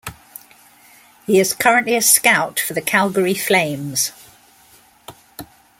He is currently a scout for the Calgary Flames.